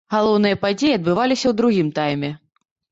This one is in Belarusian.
Галоўныя падзеі адбываліся ў другім тайме.